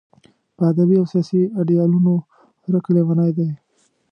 په ادبي او سیاسي ایډیالونو ورک لېونی دی.